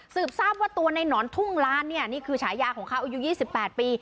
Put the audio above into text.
ทราบว่าตัวในหนอนทุ่งล้านเนี่ยนี่คือฉายาของเขาอายุ๒๘ปี